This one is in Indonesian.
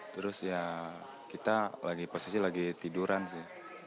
terus ya kita lagi posisi lagi tiduran sih